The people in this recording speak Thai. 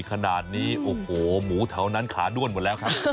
ขนาดนี้โอ้โหหมูแถวนั้นขาด้วนหมดแล้วครับ